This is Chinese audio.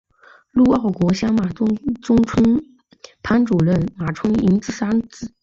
陆奥国相马中村藩主相马充胤之三子。